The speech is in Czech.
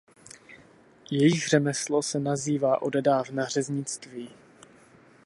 Jejich řemeslo se nazývá odedávna řeznictví.